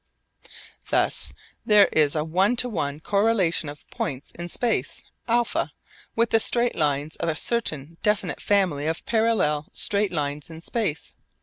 Thus there is a one to one correlation of points in space α with the straight lines of a certain definite family of parallel straight lines in space β.